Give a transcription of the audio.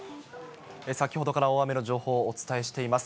先ほどから、大雨の情報をお伝えしています。